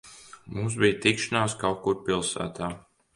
Mums bija tikšanās kaut kur pilsētā.